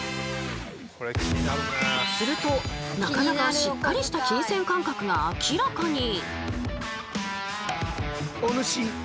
するとなかなかしっかりした金銭感覚が明らかに！